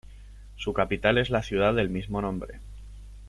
Su capital es la ciudad del mismo nombre.